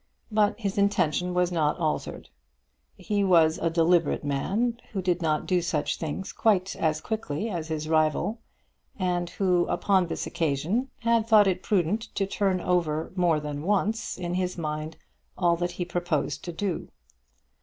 But his intention was not altered. He was a deliberate man, who did not do such things quite as quickly as his rival, and who upon this occasion had thought it prudent to turn over more than once in his mind all that he proposed to do.